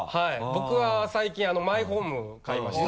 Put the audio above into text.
僕は最近マイホームを買いました。